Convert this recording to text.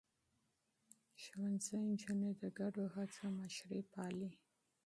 ښوونځی نجونې د ګډو هڅو مشري پالي.